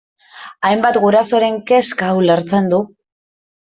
Hainbat gurasoren kezka ulertzen du.